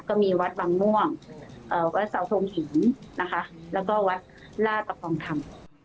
ก็มีวัดบางม่วงวัดเสาทงหินนะคะแล้วก็วัดลาประคองธรรม